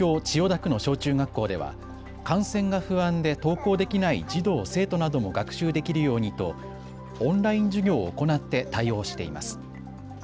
千代田区の小中学校では感染が不安で登校できない児童生徒なども学習できるようにとオンライン授業を行って対応をしています。